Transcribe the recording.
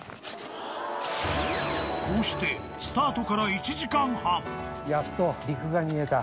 こうしてスタートから１時間やっと陸が見えた。